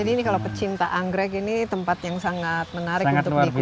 jadi ini kalau pecinta anggrek ini tempat yang sangat menarik untuk dikunjungi